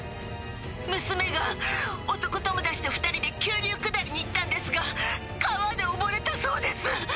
娘が男友達と２人で急流下りに行ったんですが、川で溺れたそうです。